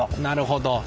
なるほど。